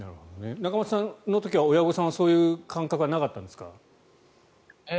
仲正さんの時は親御さんはそういう感覚はなかったんですか？